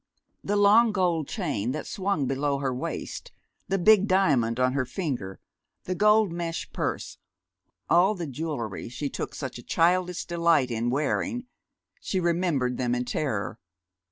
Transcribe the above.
The long gold chain that swung below her waist, the big diamond on her finger, the gold mesh purse all the jewelry she took such a childlike delight in wearing she remembered them in terror.